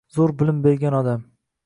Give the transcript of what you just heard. Zoʻr bilim bergan odam